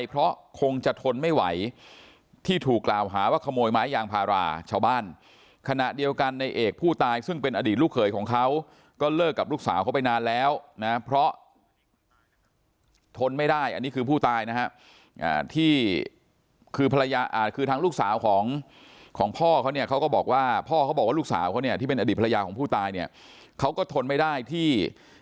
เพราะทนไม่ได้อันนี้คือผู้ตายนะฮะที่คือภรรยาคือทางลูกสาวของของพ่อเขาเนี่ยเขาก็บอกว่าพ่อเขาบอกว่าลูกสาวเขาเนี่ยที่เป็นอดีตภรรยาของผู้ตายเนี่ยเขาก็ทนไม่ได้ที่